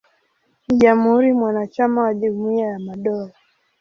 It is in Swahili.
Ni jamhuri mwanachama wa Jumuiya ya Madola.